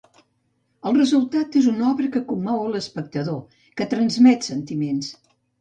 El resultat és una obra que commou a l'espectador, que transmet sentiments.